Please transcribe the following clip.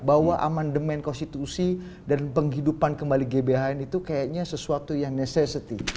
bahwa amandemen konstitusi dan penghidupan kembali gbhn itu kayaknya sesuatu yang necessity